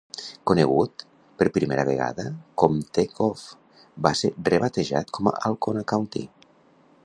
Conegut per primera vegada com The Cove, va ser rebatejat com Alcona County.